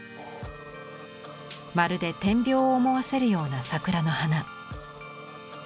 まるで点描を思わせるような桜の花。